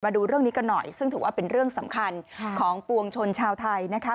ดูเรื่องนี้กันหน่อยซึ่งถือว่าเป็นเรื่องสำคัญของปวงชนชาวไทยนะคะ